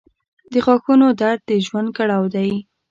• د غاښونو درد د ژوند کړاو دی.